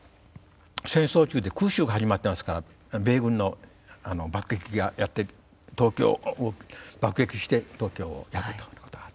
戦争中で空襲が始まってますから米軍の爆撃機がやって来て東京を爆撃して東京を焼くというようなことがあった。